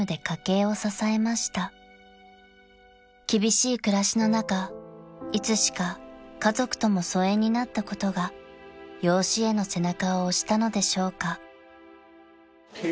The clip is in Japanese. ［厳しい暮らしの中いつしか家族とも疎遠になったことが養子への背中を押したのでしょうか］